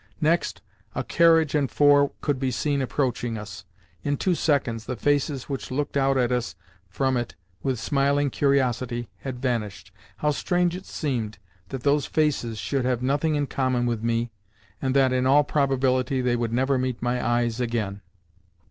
Next a carriage and four could be seen approaching us. In two seconds the faces which looked out at us from it with smiling curiosity had vanished. How strange it seemed that those faces should have nothing in common with me, and that in all probability they would never meet my eyes again!